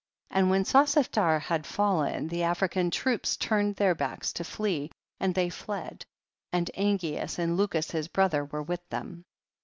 33. And when Sosiphtar had fall en the African troops turned their backs to flee, and they fled, and An geas and Lucus his brother were with them.